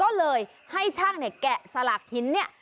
ก็เลยให้ช่างเนี่ยแกะสลักหินเนี่ย